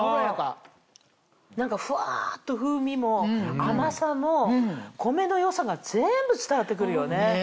何かふわっと風味も甘さも米の良さが全部伝わって来るよね。